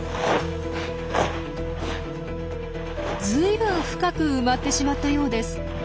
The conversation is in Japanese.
ずいぶん深く埋まってしまったようです。